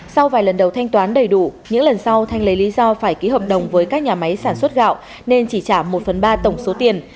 sau vài lần đầu thanh toán đầy đủ những lần sau thanh lấy lý do phải ký hợp đồng với các nhà máy sản xuất gạo nên chỉ trả một phần ba tổng số tiền